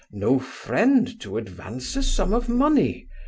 no friend to advance a sum of money?